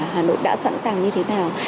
hà nội đã sẵn sàng như thế nào